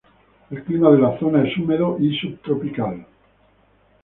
El clima de la zona es húmedo y subtropical.